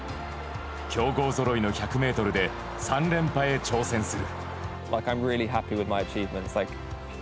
強豪ぞろいの１００ｍで３連覇へ挑戦する。